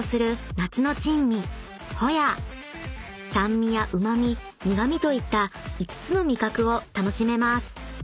［酸味やうま味苦味といった５つの味覚を楽しめます］